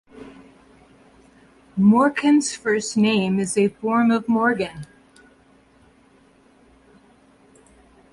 Morcant's first name is a form of Morgan.